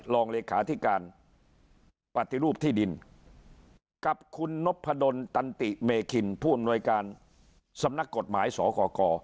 รองเลขาธิการปฏิรูปที่ดินกับคุณนพดลตันติเมคินผู้อำนวยการสำนักกฎหมายสก